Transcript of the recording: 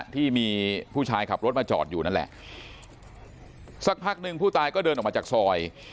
ที่มีผู้ชายขับรถมาจอดอยู่นั่นแหละสักพักหนึ่งผู้ตายก็เดินออกมาจากซอย